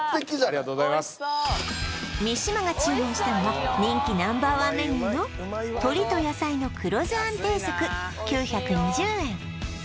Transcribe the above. ありがとうございます三島が注文したのは人気Ｎｏ．１メニューの鶏と野菜の黒酢あん定食９２０円